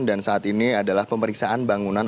dan saat ini adalah pemeriksaan bangunan